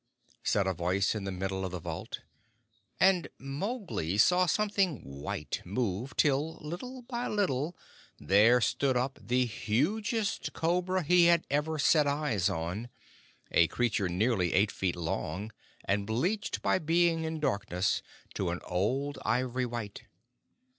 said a voice in the middle of the vault; and Mowgli saw something white move till, little by little, there stood up the hugest cobra he had ever set eyes on a creature nearly eight feet long, and bleached by being in darkness to an old ivory white.